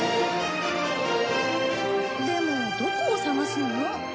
でもどこを捜すの？